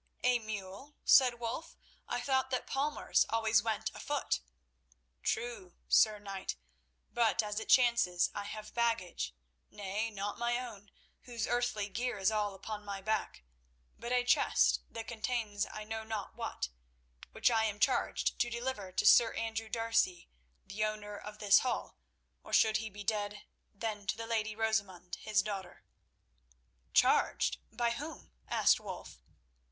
"A mule?" said Wulf. "I thought that palmers always went afoot?" "True, Sir Knight; but, as it chances, I have baggage. Nay, not my own, whose earthly gear is all upon my back—but a chest, that contains I know not what, which I am charged to deliver to Sir Andrew D'Arcy, the owner of this hall, or should he be dead, then to the lady Rosamund, his daughter." "Charged? By whom?" asked Wulf.